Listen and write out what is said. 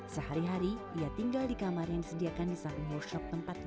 sehari hari ia tinggal di kamar yang disediakan di saham workshop tempat lain